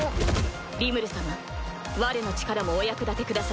リムル様われの力もお役立てくださいませ。